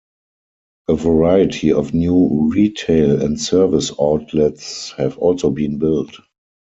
A variety of new retail and service outlets have also been built.